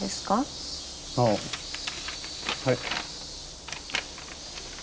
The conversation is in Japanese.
ああはい。